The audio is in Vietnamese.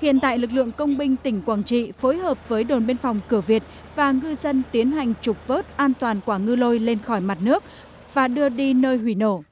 hiện tại lực lượng công binh tỉnh quảng trị phối hợp với đồn biên phòng cửa việt và ngư dân tiến hành trục vớt an toàn quả ngư lô lôi lên khỏi mặt nước và đưa đi nơi hủy nổ